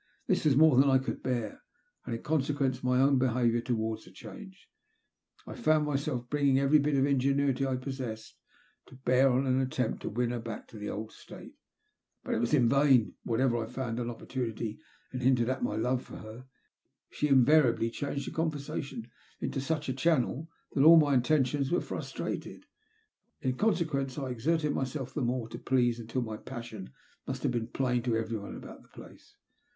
This was more than I could bear, and in consequence my own be haviour towards her changed. I found myself bringing every bit of ingenuity I possessed to bear on an attempt to win her back to the old state. But it was in vain 1 Whenever I found an opportunity, and hinted at 340 THX LUST OF HATS. my love for her, ehe invariablj ehanged the eoiiTam tion into such a channel that all my intentionfl were frustrated. In consequence, I exerted myself the more to please until my passion most have been plain to everyone about the place.